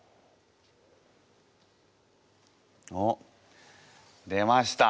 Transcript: おっ出ました